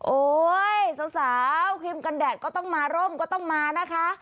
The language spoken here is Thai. โอ๊ยสาวครีมกันแดดก็ต้องมาร่มก็ต้องมานะคะ